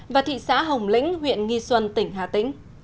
và thị xã hồng lĩnh huyện nghi xuân tỉnh hà tĩnh